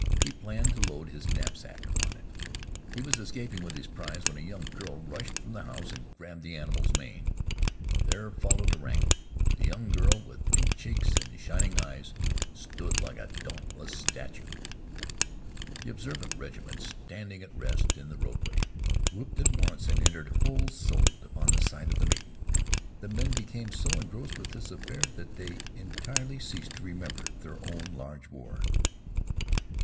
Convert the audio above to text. He planned to load his knap sack upon it. He was escaping with his prize when a young girl rushed from the house and grabbed the animal's mane. There followed a wrangle. The young girl, with pink cheeks and shining eyes, stood like a dauntless statue. The observant regiment, standing at rest in the roadway, whooped at once, and entered whole souled upon the side of the maiden. The men became so engrossed in this affair that they entirely ceased to remember their own large war.